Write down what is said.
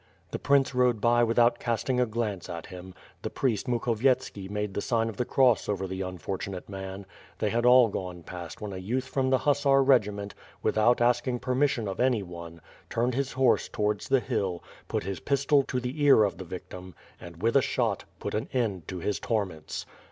The prince rode by without casting a glance at him; the priest Mukhovietski made the sign of the cross over the un fortunate man; they had all gone past when a youth from the hussar regiment, without asking permission of anyone, turned his horse towards the hill, put his pistol to the ear of the victim and, with a shot, put an end to his torments.